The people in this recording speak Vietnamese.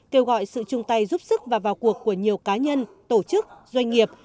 kêu gọi sự chung tay giúp sức và vào cuộc của nhiều cá nhân tổ chức doanh nghiệp